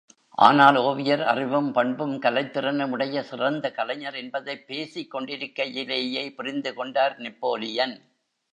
ஆனால் ஒவியர் அறிவும், பண்பும், கலைத்திறனும் உடைய சிறந்த கலைஞர் என்பதைப் பேசிக் கொண்டிருக்கையிலேயே புரிந்து கொண்டார் நெப்போலியன்.